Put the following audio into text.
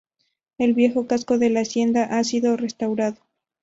El viejo casco de la hacienda ha sido restaurado.